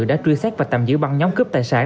đã truy xét và tạm giữ băng nhóm cướp tài sản